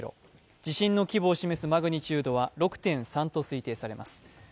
地震の規模を示すマグニチュードは６．３と推定されます。